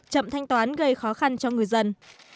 chậm thanh toán gây khó khăn cho ngư dân